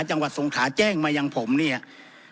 จังหวัดสงขาแจ้งมายังผมเนี่ยอ่า